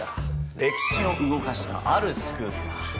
歴史を動かしたあるスクープだ。